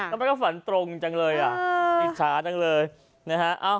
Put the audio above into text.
ทำไมเขาฝันตรงจังเลยอ่ะอืออิจฉาจังเลยนะฮะเอ้า